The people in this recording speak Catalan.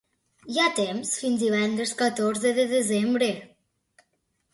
Hi ha temps fins divendres catorze de desembre.